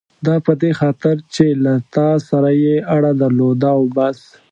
دا په دې خاطر چې له تا سره یې اړه درلوده او بس.